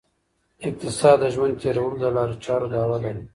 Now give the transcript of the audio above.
اقتصاد د ژوند تېرولو د لارو چارو دعوه لري.